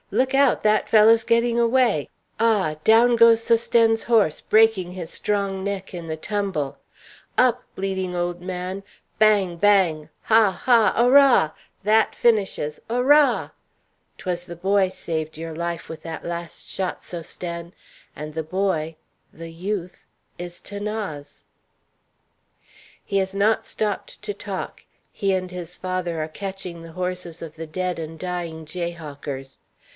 Look out, that fellow's getting away! Ah! down goes Sosthène's horse, breaking his strong neck in the tumble. Up, bleeding old man bang! bang! Ha, ha, ora! that finishes ora! 'Twas the boy saved your life with that last shot, Sosthène, and the boy the youth is 'Thanase. He has not stopped to talk; he and his father are catching the horses of the dead and dying jayhawkers.